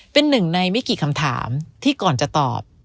เป็นหนึ่งในไม่กี่คำถามที่ก่อนจะตอบ